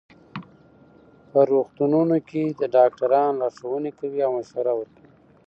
په روغتونونو کې ډاکټران لارښوونې کوي او مشوره ورکوي.